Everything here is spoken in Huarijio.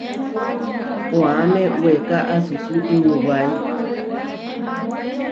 Koáme weeká asusú inuwáe.